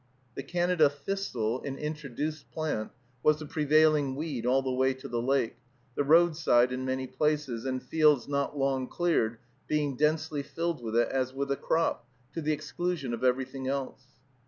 The Canada thistle, an introduced plant, was the prevailing weed all the way to the lake, the roadside in many places, and fields not long cleared, being densely filled with it as with a crop, to the exclusion of everything else.